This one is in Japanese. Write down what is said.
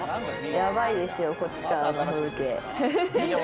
やばいですよ、こっちからの風景。